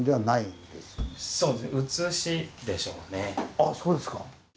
あそうですか。